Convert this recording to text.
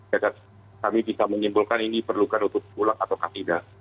ya kan kami bisa menyimpulkan ini perlukan otopsi ulang atau tidak